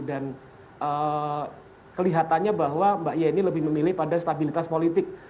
dan kelihatannya bahwa mbak yeni lebih memilih pada stabilitas politik